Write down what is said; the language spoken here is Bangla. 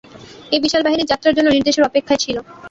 এ বিশালবাহিনী যাত্রার জন্য নির্দেশের অপেক্ষায় ছিল।